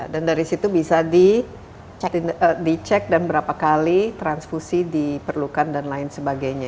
dan dari situ bisa dicek dan berapa kali transfusi diperlukan dan lain sebagainya